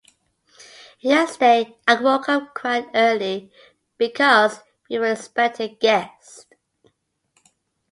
Yesterday I woke up quite early because we were expecting guests.